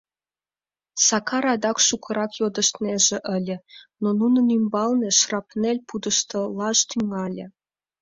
Сакар адак шукырак йодыштнеже ыле, но нунын ӱмбалне шрапнель пудештылаш тӱҥале.